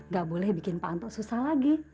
gak boleh bikin pak anto susah lagi